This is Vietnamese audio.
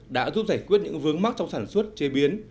đã giúp giải quyết những vướng mắc trong sản xuất chế biến